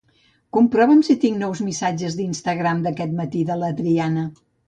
Comprova'm si tinc nous missatges d'Instagram d'aquest matí de l'Adriana.